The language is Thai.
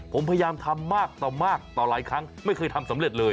ผมพยายามทำมากต่อมากต่อหลายครั้งไม่เคยทำสำเร็จเลย